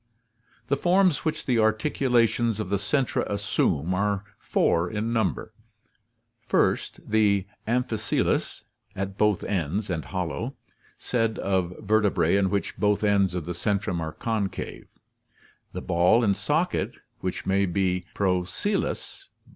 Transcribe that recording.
The forms which the articulations of the centra assume are four in number: first, the amphiccelous (Gr. afuf>C, at both ends, and «oZXo?, hollow, said of vertebrae in which both ends of the centrum are concave); the ball and socket, which may be procoelous (Gr.